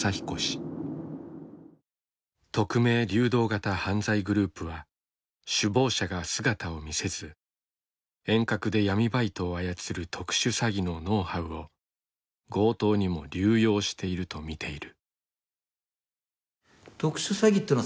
匿名・流動型犯罪グループは首謀者が姿を見せず遠隔で闇バイトを操る特殊詐欺のノウハウを強盗にも流用していると見ている。